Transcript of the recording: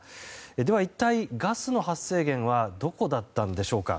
では一体、ガスの発生源はどこだったんでしょうか。